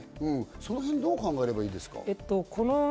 そのへんどう考えればいいですか？